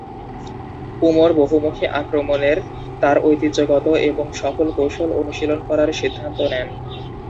উমর বহুমুখী আক্রমণের তার ঐতিহ্যগত এবং সফল কৌশল অনুশীলন করার সিদ্ধান্ত নেন।